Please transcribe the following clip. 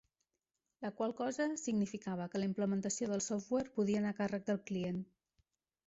La qual cosa significava que la implementació del software podia anar a càrrec del client.